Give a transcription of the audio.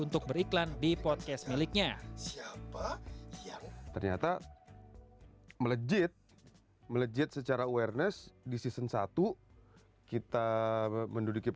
tuk tuk tuk tuk tuk tuk